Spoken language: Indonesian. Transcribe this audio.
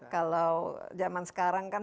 kalau zaman sekarang kan